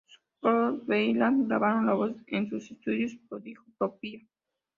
Scott Weiland grabaron la voz en sus estudios pródigo propia.